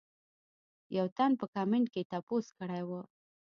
يو تن پۀ کمنټ کښې تپوس کړے وۀ